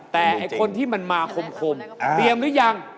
แต่ไอ้คนที่มันมาคมเตรียมหรือยัง